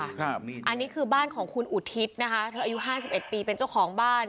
อันนี้คือบ้านของคุณอุทิศนะคะเธออายุห้าสิบเอ็ดปีเป็นเจ้าของบ้าน